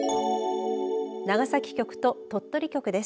長崎局と鳥取局です。